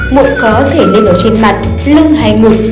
mụn có thể lên ở trên mặt lưng hay ngực